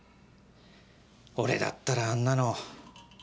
俺だったらあんなの。